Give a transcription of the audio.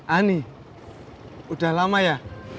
ani udah lama ya